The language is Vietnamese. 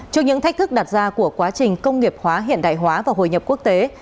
trước những thách thức đặt ra của quá trình công nghiệp hóa hiện đại hóa và hội nhập quốc tế